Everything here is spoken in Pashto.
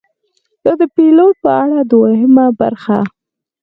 دا ده د پیلوټ په اړه دوهمه برخه: